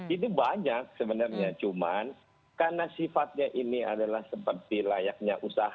itu banyak sebenarnya cuman karena sifatnya ini adalah seperti layaknya usaha